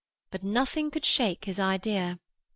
But nothing could shake his idea.